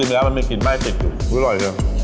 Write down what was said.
อร่อยมากเลย